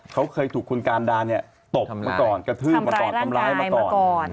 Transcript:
เขาเคยถูกคุณการดาเนี่ยตบมาก่อนกระทืบมาก่อนทำร้ายมาก่อน